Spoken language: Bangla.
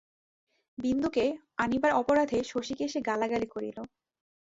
বিন্দুকে আনিবার অপরাধে শশীকে সে গালাগালি করিল।